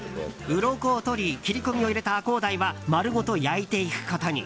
うろこをとり切れ込みを入れたアコウダイは丸ごと焼いていくことに。